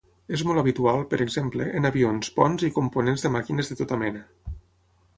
És molt habitual, per exemple, en avions, ponts i components de màquines de tota mena.